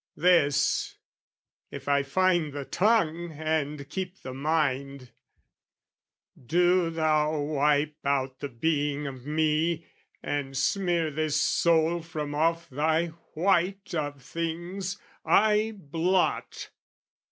This, if I find the tongue and keep the mind "Do Thou wipe out the being of me, and smear "This soul from off Thy white of things, I blot!